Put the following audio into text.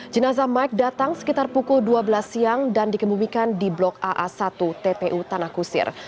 jenazah mike datang sekitar pukul dua belas siang dan dikemumikan di blok aa satu tpu tanah kusir